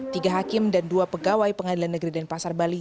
tiga hakim dan dua pegawai pengadilan negeri denpasar bali